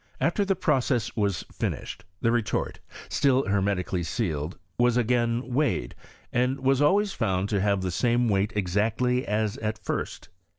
After the process was finished, the retort (still bermeticaliy sealed) was again weighed, and wai always found to have the same weight exactly as at first.